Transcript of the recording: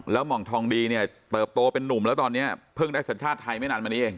หม่องทองดีเนี่ยเติบโตเป็นนุ่มแล้วตอนนี้เพิ่งได้สัญชาติไทยไม่นานมานี้เอง